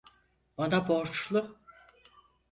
Bana borçlu.